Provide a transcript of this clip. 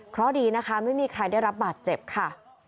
เพราะดีนะคะไม่มีใครได้รับบาดเจ็บค่ะ